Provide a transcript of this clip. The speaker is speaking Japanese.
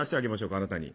あなたに。